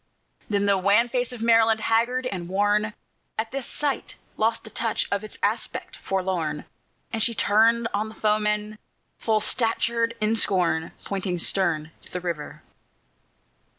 Then the wan face of Maryland, haggard and worn, At this sight lost the touch of its aspect forlorn, And she turned on the foemen, full statured in scorn, Pointing stern to the river.